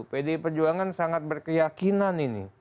pd pejuangan sangat berkeyakinan ini